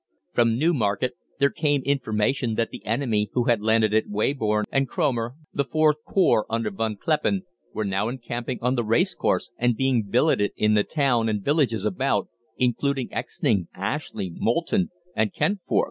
From Newmarket there came information that the enemy who had landed at Weybourne and Cromer viz., the IVth Corps under Von Kleppen were now encamping on the racecourse and being billeted in the town and villages about, including Exning, Ashley, Moulton, and Kentford.